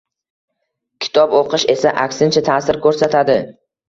Kitob o‘qish esa aksincha ta’sir ko‘rsatadi.